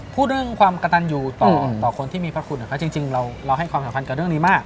พูดเรื่องความกระตันอยู่ต่อคนที่มีพระคุณจริงเราให้ความสำคัญกับเรื่องนี้มาก